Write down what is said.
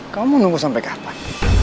kamu nunggu sampe kapan